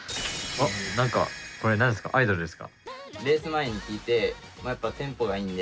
これ何ですか、アイドルですか？